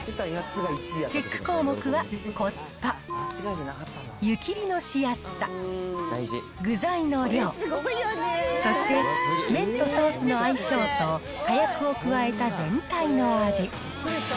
チェック項目はコスパ、湯切りのしやすさ、具材の量、そして麺とソースの相性と、かやくを加えた全体の味。